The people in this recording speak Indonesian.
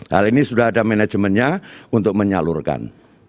hal ini sudah ada manajemennya untuk menyalurkan